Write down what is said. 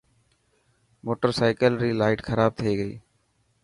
موٽرسائيڪل ري لائٽ خراب ٿي گئي.